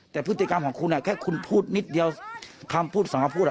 แต่พฤติกรรมของคุณแค่คุณพูดนิดเดียวคำพูดสองคำพูด